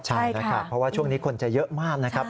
ใช่นะครับเพราะว่าช่วงนี้คนจะเยอะมากนะครับ